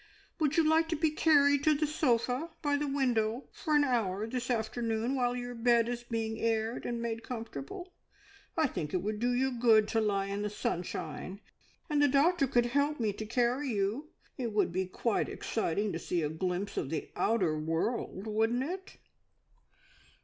Would you like to be carried to the sofa by the window for an hour this afternoon, while your bed is being aired and made comfortable? I think it would do you good to lie in the sunshine, and the doctor could help me to carry you. It would be quite exciting to see a glimpse of the outer world, wouldn't it?"